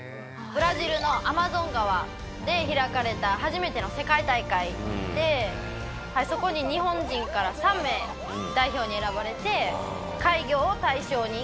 ブラジルのアマゾン川で開かれた初めての世界大会でそこに日本人から３名代表に選ばれて怪魚を対象に。